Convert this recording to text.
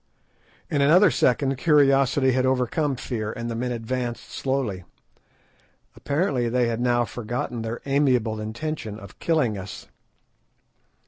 In another second curiosity had overcome fear, and the men advanced slowly. Apparently they had now forgotten their amiable intention of killing us.